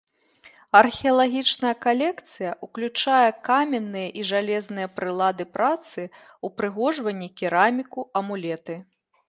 Археалагічная калекцыя ўключае каменныя і жалезныя прылады працы, упрыгожванні, кераміку, амулеты.